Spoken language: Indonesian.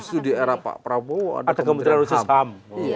justru di era pak prabowo ada kementerian ham